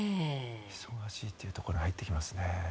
忙しいというところ入ってきますね。